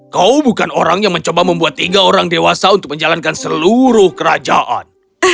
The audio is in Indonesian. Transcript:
kau bukan orang yang mencoba membuat tiga orang dewasa untuk menjalankan seluruh kerajaan